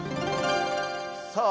さあ。